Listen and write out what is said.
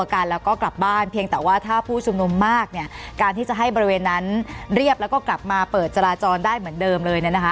แล้วก็กลับบ้านเพียงแต่ว่าถ้าผู้ชุมนุมมากเนี่ยการที่จะให้บริเวณนั้นเรียบแล้วก็กลับมาเปิดจราจรได้เหมือนเดิมเลยเนี่ยนะคะ